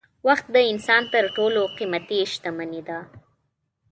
وخت د انسان تر ټولو قېمتي شتمني ده.